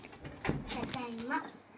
ただいま。